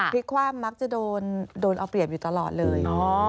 ทิกความมักจะโดนออกเหลี่ยมอยู่ตลอดเลย